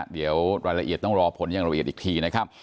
เดี๋ยวรายละเอียดต้องรอผลอย่างละเอียดอีกทีนะครับ